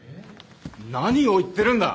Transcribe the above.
何を言ってるんだ？